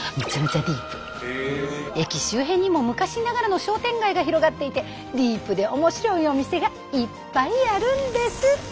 駅周辺にも昔ながらの商店街が広がっていてディープで面白いお店がいっぱいあるんです！